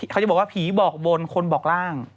เขาจะบอกว่าผีบอกบนคนบอกร่าง